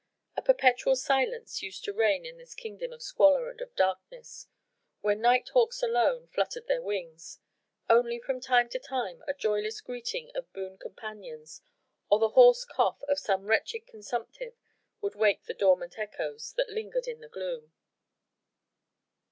A perpetual silence used to reign in this kingdom of squalor and of darkness, where night hawks alone fluttered their wings; only from time to time a joyless greeting of boon companions, or the hoarse cough of some wretched consumptive would wake the dormant echoes that lingered in the gloom.